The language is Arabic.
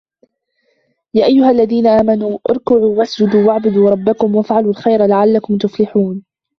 يا أيها الذين آمنوا اركعوا واسجدوا واعبدوا ربكم وافعلوا الخير لعلكم تفلحون